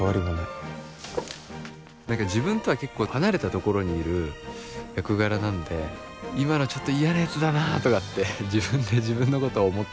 何か自分とは結構離れたところにいる役柄なんで今のちょっと嫌なやつだなとかって自分で自分のことを思ったり。